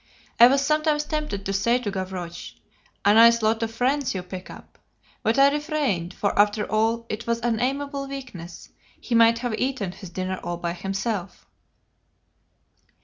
I was sometimes tempted to say to Gavroche, 'A nice lot of friends you pick up,' but I refrained, for, after all, it was an amiable weakness: he might have eaten his dinner all by himself.